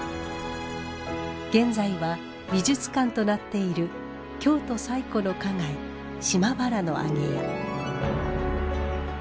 現在は美術館となっている京都最古の花街島原の揚屋。